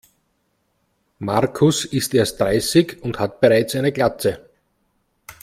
Markus ist erst dreißig und hat bereits eine Glatze.